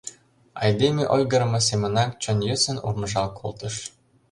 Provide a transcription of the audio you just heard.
Айдеме ойгырымо семынак чон йӧсын урмыжал колтыш.